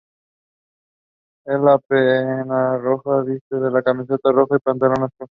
El Peñarroya viste camiseta roja y pantalón azul.